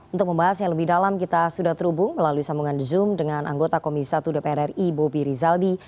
untuk membahas yang lebih dalam kita sudah terhubung melalui sambungan zoom dengan anggota komisi satu dpr ri bobi rizaldi